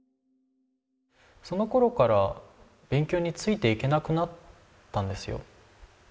そのころから勉強についていけなくなったんですよ。